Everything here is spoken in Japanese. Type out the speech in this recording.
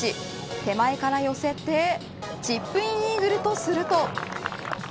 手前から寄せてチップインイーグルとすると。